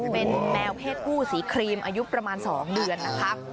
เป็นแมวเพศผู้สีครีมอายุประมาณ๒เดือนนะคะ